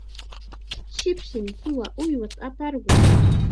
shipshim suwa uywata aparqun.